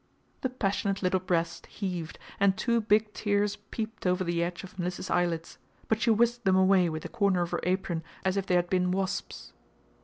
The passionate little breast heaved, and two big tears peeped over the edge of Mliss's eyelids, but she whisked them away with the corner of her apron as if they had been wasps.